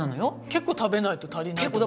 結構食べないと足りないって事？